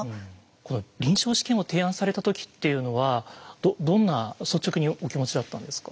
この臨床試験を提案された時っていうのはどんな率直にお気持ちだったんですか？